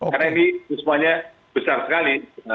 karena ini semuanya besar sekali